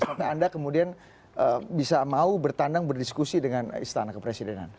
karena anda kemudian bisa mau bertandang berdiskusi dengan istana kepresidenan